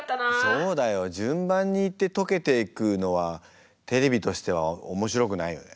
そうだよ順番にいって解けていくのはテレビとしては面白くないよね。